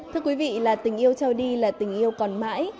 thưa quý vị là tình yêu trao đi là tình yêu còn mãi